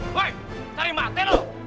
woy tarik mati lo